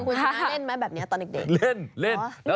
คุณชนะเล่นไหมแบบนี้ตอนเด็กเล่น